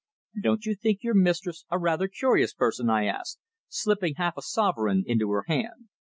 "Don't you think your mistress a rather curious person?" I asked, slipping half a sovereign into her hand.